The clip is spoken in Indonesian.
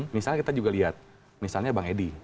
misalnya kita juga lihat misalnya bang edi